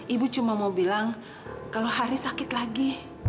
ibu cuma mau bilang kalau hari sakit lagi